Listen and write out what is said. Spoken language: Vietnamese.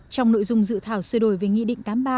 trong nội dung dự thảo sửa đổi về nghị định tám mươi ba